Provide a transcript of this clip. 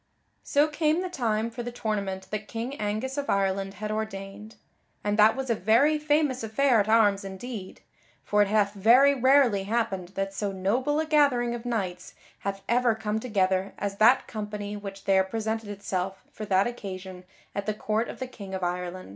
_ So came the time for the tournament that King Angus of Ireland had ordained; and that was a very famous affair at arms indeed. For it hath very rarely happened that so noble a gathering of knights hath ever come together as that company which there presented itself for that occasion at the court of the King of Ireland.